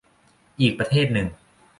อีกประเทศหนึ่ง